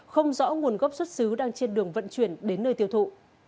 không rõ nguồn gốc xuất xứ đang trên đường vận chuyển đến nơi tiêu thụ